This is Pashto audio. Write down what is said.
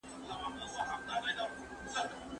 زه اوس تمرين کوم،